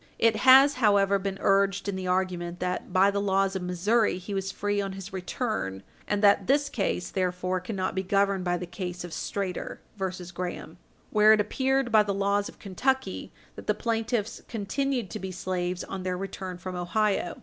It has, however, been urged in the argument that, by the laws of Missouri, he was free on his return, and that this case Page 60 U. S. 453 therefore cannot be governed by the case of Strader et al. v. Graham, where it appeared, by the laws of Kentucky, that the plaintiffs continued to be slaves on their return from Ohio.